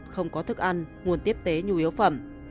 không có thức ăn nguồn tiếp tế nhu yếu phẩm